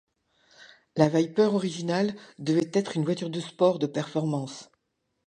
La Viper originale devait être une voiture de sport de performance.